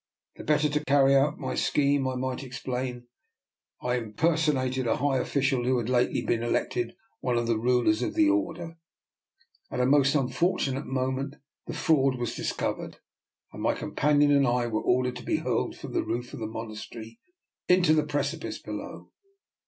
The better to carry out my scheme, I might explain, I im personated a high official who had lately been elected one of the rulers of the Order. At a most unfortunate moment the fraud was dis covered, and my companion and I were or dered to be hurled from the roof of the monas tery into the precipice below.